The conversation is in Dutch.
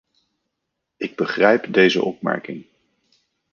Ik begrijp deze opmerking.